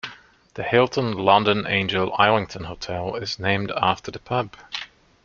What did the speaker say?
The Hilton London Angel Islington Hotel is named after the pub.